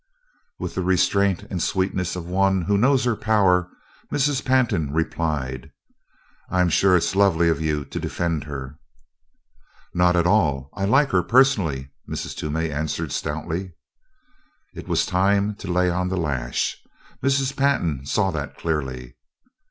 With the restraint and sweetness of one who knows her power, Mrs. Pantin replied: "I'm sure it's lovely of you to defend her." "Not at all I like her personally," Mrs. Toomey answered stoutly. It was time to lay on the lash; Mrs. Pantin saw that clearly.